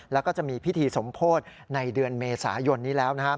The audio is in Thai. แล้วก็จะมีพิธีสมโพธิในเดือนเมษายนนี้แล้ว